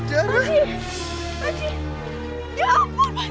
ya ampun panji kamu tak apa apa